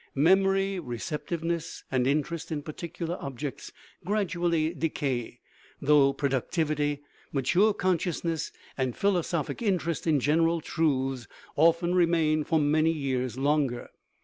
Memory, receptiveness, and interest in particular objects gradually decay; though productivity, mature consciousness, and philosophic^ interest in general truths often remain for many years longer.